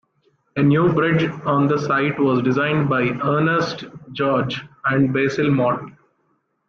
A new bridge on the site was designed by Ernest George and Basil Mott.